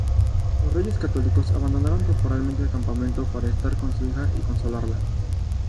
Los Reyes Católicos abandonaron temporalmente el campamento para estar con su hija y consolarla.